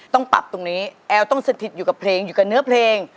ต้องปรับตรงนี้แอลต้องสถิตอยู่กับเพลงอยู่กับเนื้อเพลง